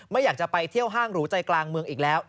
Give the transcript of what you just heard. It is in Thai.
ไม่อยากจะไปเที่ยวห้างหรูใจกลางเมืองอีกแล้ว